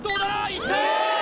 いった！